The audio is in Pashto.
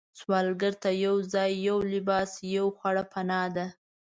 سوالګر ته یو ځای، یو لباس، یو خواړه پناه ده